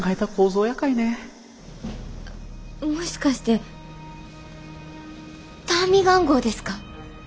もしかしてターミガン号ですか？